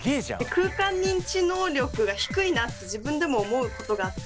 空間認知能力が低いなって自分でも思うことがあって。